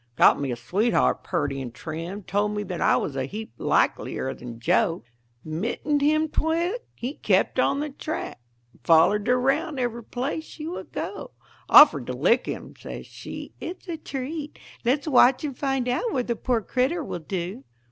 Got me a sweetheart purty and trim, Told me that I was a heap likelier than Joe; Mittened him twict; he kept on the track, Followed her round every place she would go; Offered to lick him; says she, "It's a treat, Let's watch and find out what the poor critter will do."